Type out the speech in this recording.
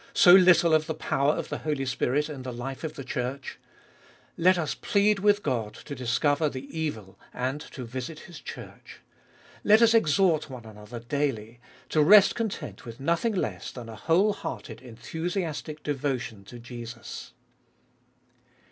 so little of the power of the Holy Spirit in the life of the Church ? Let us plead with God to discover the evil and to visit His Church. Let us exhort one another daily, to rest content with nothing less than a whole hearted enthusiastic devotion to Jesus.